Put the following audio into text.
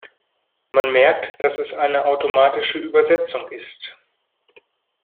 Man merkt, dass es eine automatische Übersetzung ist.